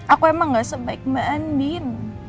aku emang gak sebaik mbak andin